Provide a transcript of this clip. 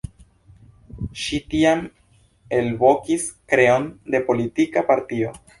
Ŝi tiam elvokis kreon de politika partio.